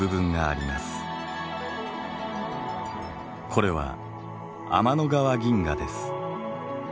これは天の川銀河です。